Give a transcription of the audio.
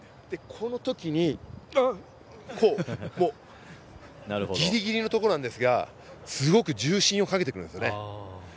この時にギリギリのところなんですがすごく重心をかけてくるんです。